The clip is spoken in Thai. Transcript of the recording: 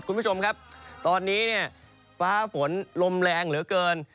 คุณผู้ชมครับตอนนี้เนี่ยฟ้าฝนลมแรงเหลือเกิน